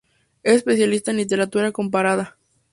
Es especialista en literatura comparada.